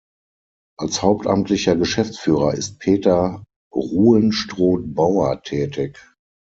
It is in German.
Als hauptamtlicher Geschäftsführer ist Peter Ruhenstroth-Bauer tätig.